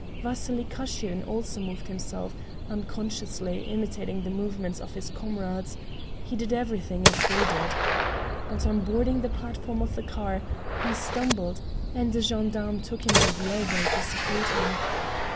Vasily Kashirin also moved himself, unconsciously imitating the movements of his comrades—he did everything as they did. But on boarding the platform of the car, he stumbled, and a gendarme took him by the elbow to support him.